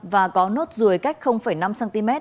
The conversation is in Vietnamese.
và có nốt rùi cách năm cm